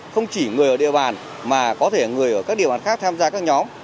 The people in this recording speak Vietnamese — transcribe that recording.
không chỉ người ở địa bàn mà có thể người ở các địa bàn khác tham gia các nhóm